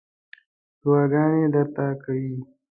دعاګانې درته کوي.